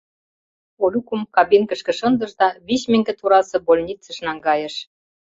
Олюкым кабинышке шындыш да вич меҥге торасе больницыш наҥгайыш.